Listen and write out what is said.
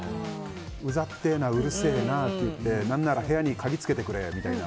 ウザったいなうるせえなっていって何なら部屋に鍵を付けてくれみたいな。